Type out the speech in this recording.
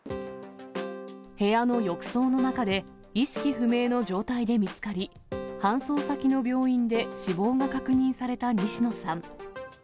部屋の浴槽の中で意識不明の状態で見つかり、搬送先の病院で死亡が確認された西野さん。